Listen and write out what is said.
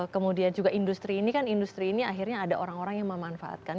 kemudian juga industri ini kan industri ini akhirnya ada orang orang yang memanfaatkan